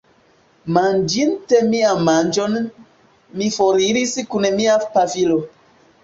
Manĝinte mian manĝon, mi foriris kun mia pafilo.